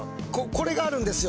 これがあるんですよ